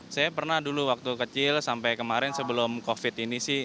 saya pernah dulu waktu kecil sampai kemarin sebelum covid ini sih